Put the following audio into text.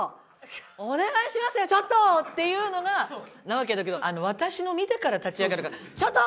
お願いしますよちょっと！」っていうのがなわけだけど私のを見てから立ち上がるからちょっと！